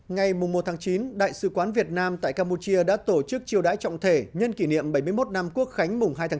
ngày một chín đại sứ quán việt nam tại campuchia đã tổ chức triều đái trọng thể nhân kỷ niệm bảy mươi một năm quốc khánh hai chín